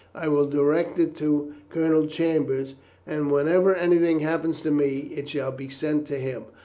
I will direct it to Colonel Chambers, and whenever anything happens to me it shall be sent to him.